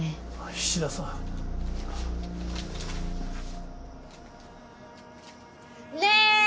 菱田さん。ね！